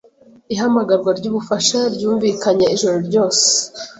Ihamagarwa ry'ubufasha ryumvikanye ijoro ryose.